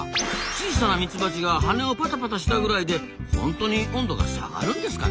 小さなミツバチが羽をパタパタしたぐらいでホントに温度が下がるんですかねえ？